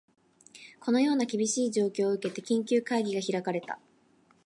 このような厳しい状況を受けて、緊急会議が開かれた